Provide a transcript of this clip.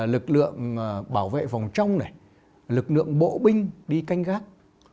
lực lượng bảo vệ phòng trong lực lượng bộ binh đi canh gác